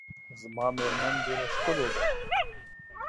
زما میرمن ډیره ښکلې ده .